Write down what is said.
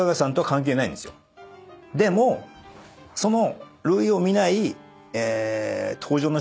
でもその。